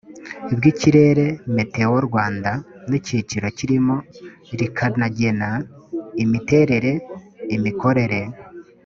bw ikirere meteo rwanda n icyiciro kirimo rikanagena imiterere imikorere